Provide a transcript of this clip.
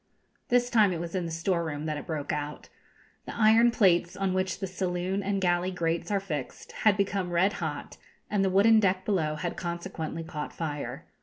This time it was in the store room that it broke out. The iron plates on which the saloon and galley grates are fixed had become red hot, and the wooden deck below had consequently caught fire.